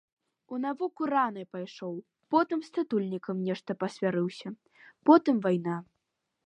У навуку рана пайшоў, потым з татулькам нешта пасварыўся, потым вайна.